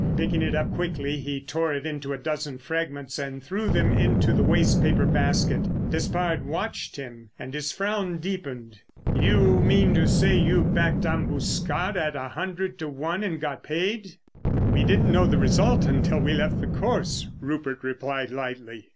Picking it up quickly he tore it into a dozen fragments and threw them into the waste paper basket. Despard watched him, and his frown deepened. "You mean to say you backed Ambuscade at a hundred to one and got paid!" "We didn't know the result until we left the course," Rupert replied lightly.